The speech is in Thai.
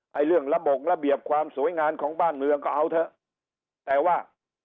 เรื่องระบบระเบียบความสวยงามของบ้านเมืองก็เอาเถอะแต่ว่า